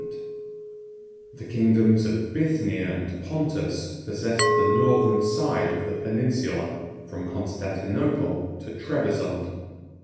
The kingdoms of Bithynia and Pontus possessed the northern side of the peninsula from Constantinople to Trebizond.